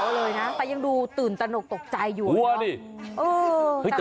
ออกมาแล้วตาแต๋วเลยนะ